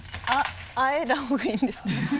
あえいだほうがいいんですか？